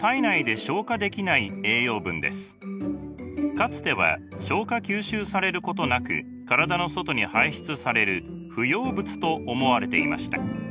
かつては消化吸収されることなく体の外に排出される不要物と思われていました。